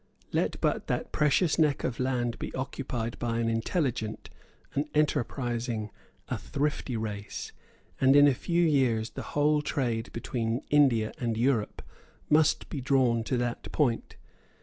Let but that precious neck of land be occupied by an intelligent, an enterprising, a thrifty race; and, in a few years, the whole trade between India and Europe must be drawn to that point.